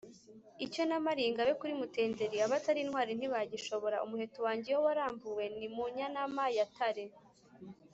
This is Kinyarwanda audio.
Icyo namaliye ingabe, kuri Mutenderi, abatali intwali ntibagishoboraUmuheto wanjye iyo waramvuwe ni mu Nyanama ya Tare,